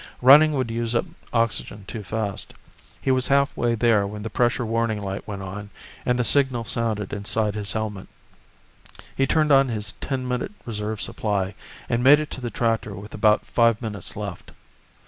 Running would use up oxygen too fast. He was halfway there when the pressure warning light went on, and the signal sounded inside his helmet. He turned on his ten minute reserve supply, and made it to the tractor with about five minutes left.